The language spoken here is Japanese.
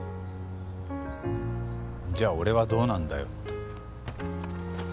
じゃあ俺はどうなんだよって。